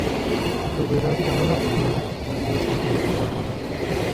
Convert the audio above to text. Lloveras ganó la pelea por sumisión en la primera ronda.